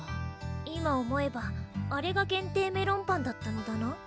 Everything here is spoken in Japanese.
今思えばあれが限定メロンパンだったのだな